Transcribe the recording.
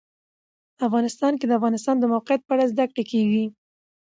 افغانستان کې د د افغانستان د موقعیت په اړه زده کړه کېږي.